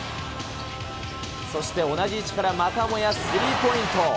そして同じ位置からまたもやスリーポイント。